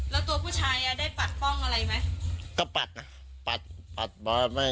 แล้วตัวผู้ชายได้ปัดป้องอะไรไหม